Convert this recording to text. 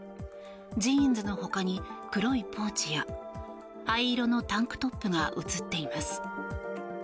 ジーンズのほかに黒いポーチや灰色のタンクトップが写っています。